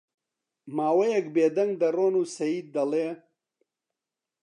ماوەیەک بێ دەنگ دەڕۆن و سەید دەڵێ: